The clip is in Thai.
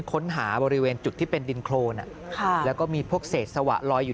ค้นหาบริเวณจุดที่เป็นดินโครนแล้วก็มีพวกเศษสวะลอยอยู่